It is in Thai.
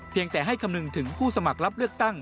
แต่ให้คำนึงถึงผู้สมัครรับเลือกตั้ง